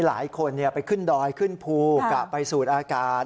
หลายคนไปขึ้นดอยขึ้นภูกะไปสูดอากาศ